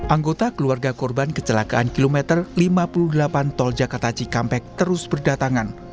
anggota keluarga korban kecelakaan kilometer lima puluh delapan tol jakarta cikampek terus berdatangan